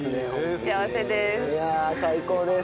幸せです。